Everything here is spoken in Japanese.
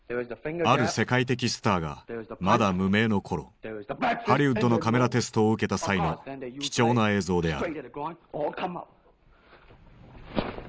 ある世界的スターがまだ無名の頃ハリウッドのカメラテストを受けた際の貴重な映像である。